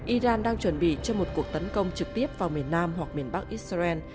iran đang chuẩn bị cho một cuộc tấn công trực tiếp vào miền nam hoặc miền bắc israel